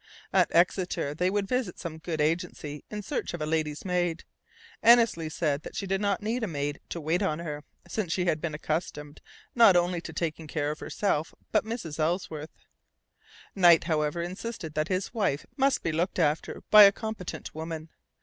At Exeter they would visit some good agency in search of a lady's maid. Annesley said that she did not need a woman to wait on her, since she had been accustomed not only to taking care of herself but Mrs. Ellsworth. Knight, however, insisted that his wife must be looked after by a competent woman.